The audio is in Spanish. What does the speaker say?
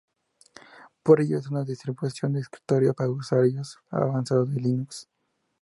Por ello, es una distribución de escritorio para usuarios avanzados de Linux.